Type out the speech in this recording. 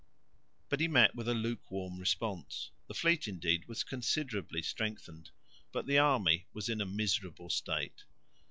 But he met with a luke warm response. The fleet indeed was considerably strengthened, but the army was in a miserable state.